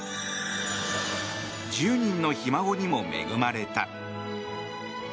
１０人のひ孫にも恵まれた。